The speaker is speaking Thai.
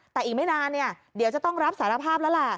แต่อีกไม่นานเดี๋ยวจะต้องรับสารภาพแล้วล่ะ